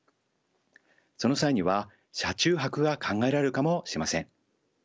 その際には車中泊が考えられるかもしれません。